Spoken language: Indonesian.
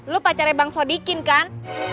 lu pacarnya bang sodikin kan